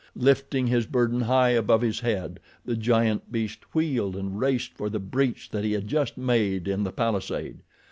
Lifting his burden high above his head the giant beast wheeled and raced for the breach that he had just made in the palisade.